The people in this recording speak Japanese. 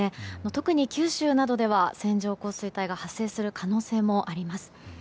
特に九州などでは線状降水帯が発生する可能性もあります。